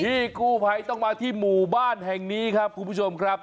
พี่กู้ภัยต้องมาที่หมู่บ้านแห่งนี้ครับคุณผู้ชมครับ